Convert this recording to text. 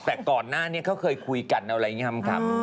แต่ก่อนหน้านี้เขาเคยคุยกันอะไรอย่างนี้ครับ